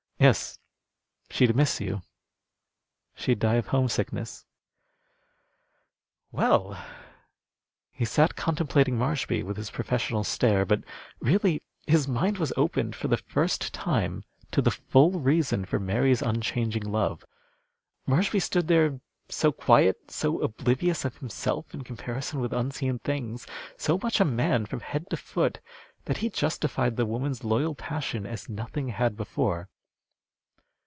"Yes, she'd miss you. She'd die of homesickness. Well!" He sat contemplating Marshby with his professional stare; but really his mind was opened for the first time to the full reason for Mary's unchanging love. Marshby stood there so quiet, so oblivious of himself in comparison with unseen things, so much a man from head to foot, that he justified the woman's loyal passion as nothing had before.